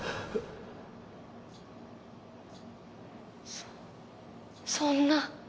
そそんな。